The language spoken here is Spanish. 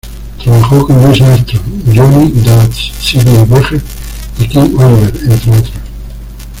Trabajó con Louis Armstrong, Johnny Dodds, Sidney Bechet y King Oliver, entre otros.